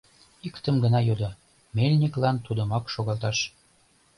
Иктым гына йодо: мельниклан тудымак шогалташ.